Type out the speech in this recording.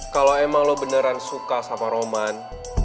kalau emang lo beneran suka sama roman